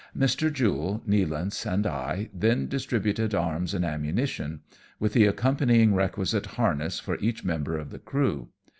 Mr. Jule, Nealance, and I then distributed arms and ammunition, with the accompanying requisite harness for each member of the crew.